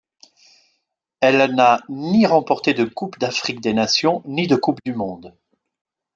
Elle n'a ni remporté de coupe d'Afrique des nations ni de coupe du monde.